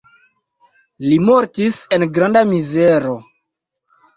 Li mortis en granda mizero.